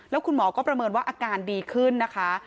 แล้วคุณหมอก็ประเมินว่าอาการดีขึ้นนะคะ